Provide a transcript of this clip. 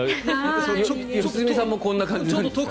良純さんもこんな感じですか？